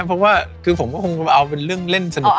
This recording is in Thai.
เพราะว่าคือผมก็คงมาเอาเป็นเรื่องเล่นสนุก